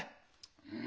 うん。